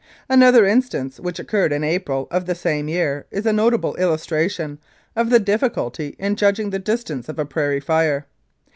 Another instance which occurred in April of the same year is a notable illustration of the difficulty in judging the distance of a prairie fire.